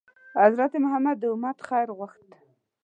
حضرت محمد ﷺ د امت خیر غوښت.